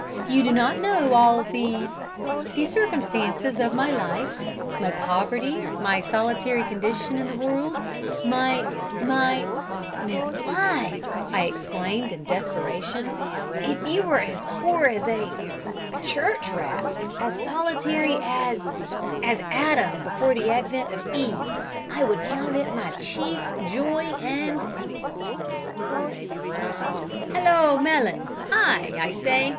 You do not know all the the circumstances of my life my poverty, my solitary condition in the world my my " "Miss Blythe," I exclaimed, in desperation, "if you were as poor as a a church rat, as solitary as as Adam before the advent of Eve, I would count it my chief joy, and " "Hallo! Mellon, hi! I say!